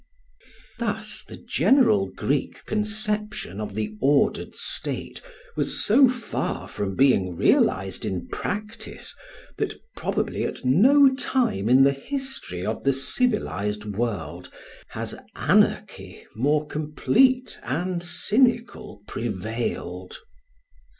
Thus the general Greek conception of the ordered state was so far from being realised in practice that probably at no time in the history of the civilised world has anarchy more complete and cynical prevailed.